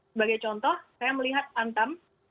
sebagai contoh saya melihat antam